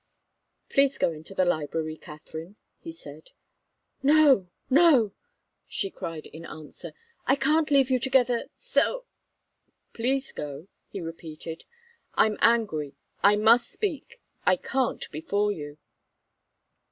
"Please go into the library, Katharine," he said. "No, no!" she cried, in answer. "I can't leave you together so." "Please go!" he repeated. "I'm angry I must speak I can't before you."